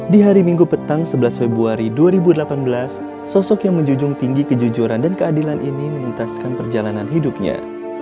di hari minggu petang sebelas februari dua ribu delapan belas sosok yang menjunjung tinggi kejujuran dan keadilan ini menuntaskan perjalanan hidupnya